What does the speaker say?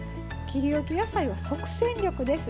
切りおき野菜は即戦力です。